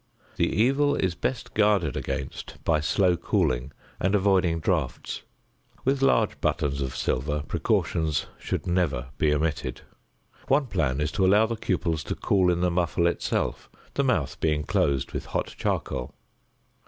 The evil is best guarded against by slow cooling and avoiding draughts. With large buttons of silver precautions should never be omitted. One plan is to allow the cupels to cool in the muffle itself, the mouth being closed with hot charcoal.